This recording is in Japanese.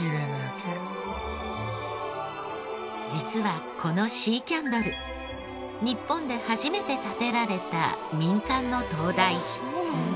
実はこのシーキャンドル日本で初めて建てられた民間の灯台。